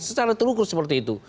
secara terukur seperti itu